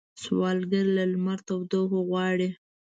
سوالګر له لمر تودوخه غواړي